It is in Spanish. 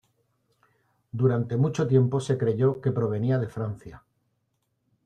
Durante mucho tiempo se creyó que provenía de Francia.